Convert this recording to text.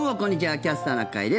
「キャスターな会」です。